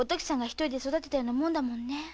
一人で育てたようなもんだもんねえ。